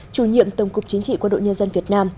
chủ nhiệm tổng cục chính trị quân đội nhân dân việt nam